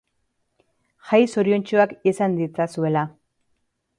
Jai zoriontsuak izan ditzazuela.